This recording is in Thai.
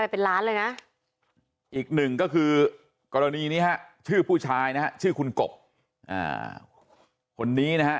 เป็นล้านเลยนะอีกหนึ่งก็คือกรณีนี้ฮะชื่อผู้ชายนะฮะชื่อคุณกบคนนี้นะฮะ